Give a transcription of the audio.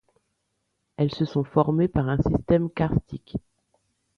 Elles se sont formées par un système karstique.